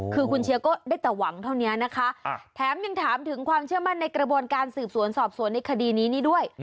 คือคุณเชียร์ก็ได้แต่หวังเท่านี้นะคะแถมยังถามถึงความเชื่อมั่นในกระบวนการสืบสวนสอบสวนในคดีนี้นี่ด้วย